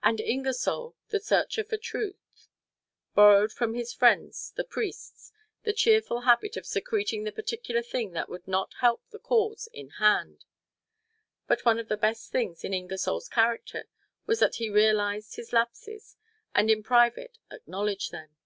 And Ingersoll, the searcher for truth, borrowed from his friends, the priests, the cheerful habit of secreting the particular thing that would not help the cause in hand. But one of the best things in Ingersoll's character was that he realized his lapses and in private acknowledged them.